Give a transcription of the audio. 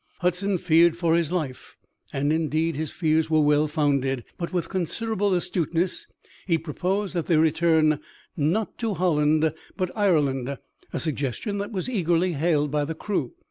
Hudson feared for his life, and indeed his fears were well founded; but with considerable astuteness he proposed that they return not to Holland but Ireland a suggestion that was eagerly hailed by the crew.